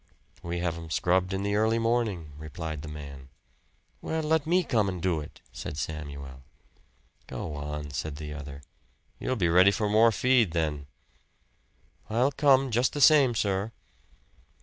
"We have 'em scrubbed in the early morning," replied the man. "Well, let me come and do it," said Samuel. "Go on!" said the other. "You'll be ready for more feed then." "I'll come, just the same, sir."